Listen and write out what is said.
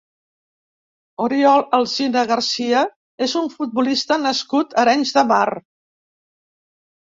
Oriol Alsina Garcia és un futbolista nascut a Arenys de Mar.